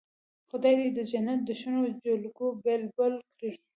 خدای دې د جنت د شنو جلګو بلبل کړي.